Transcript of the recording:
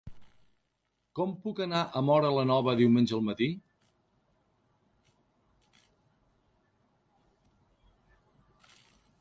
Com puc anar a Móra la Nova diumenge al matí?